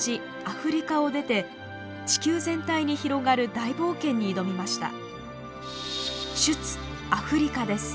アフリカを出て地球全体に広がる大冒険に挑みました。